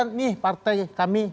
ini partai kami